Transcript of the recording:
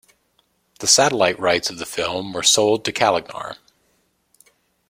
The satellite rights of the film were sold to Kalaignar.